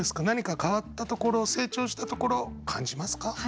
何か変わったところ成長したところ感じますか？